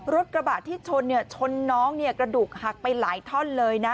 รถกระบะที่ชนเนี่ยชนน้องเนี่ยกระดูกหักไปหลายท่อนเลยนะ